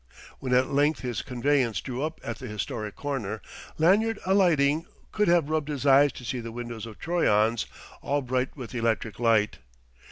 When at length his conveyance drew up at the historic corner, Lanyard alighting could have rubbed his eyes to see the windows of Troyon's all bright with electric light.